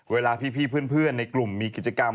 เวลาพี่เพื่อนในกลุ่มมีกิจกรรม